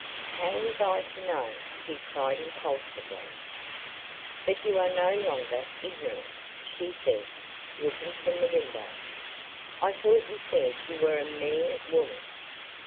How was I to know?" he cried impulsively. "But you are no longer ignorant," she said, looking from the window. "I thought you said you were a mere woman!"